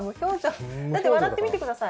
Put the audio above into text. だって、笑ってみてください。